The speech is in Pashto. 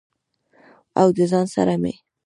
او د ځان سره مې